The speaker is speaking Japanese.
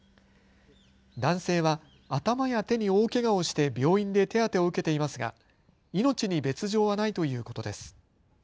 男性は頭や手に大けがをして病院で手当てを受けていますが命に別状はないということです。